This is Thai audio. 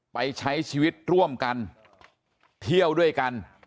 ไปใช้ชีวิตร่วมกันเที่ยวด้วยกัน